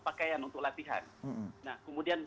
pakaian untuk latihan